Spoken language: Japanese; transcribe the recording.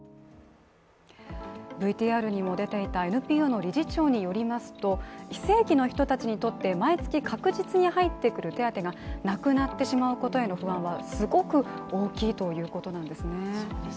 ＶＴＲにも出ていたＮＰＯの理事長によりますと、非正規の人たちにとって毎月確実に入ってくる手当がなくなってしまうことへの不安はすごく大きいということなんですね。